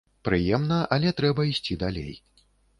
Прыемна, але трэба ісці далей.